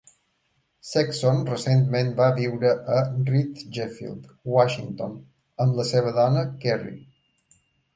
Sexson recentment va viure a Ridgefield, Washington amb la seva dona Kerry.